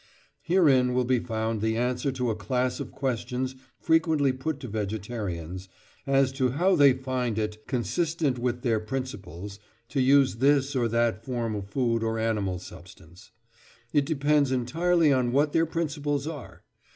Herein will be found the answer to a class of questions frequently put to vegetarians, as to how they find it "consistent with their principles" to use this or that form of food or animal substance. It depends entirely on what their principles are.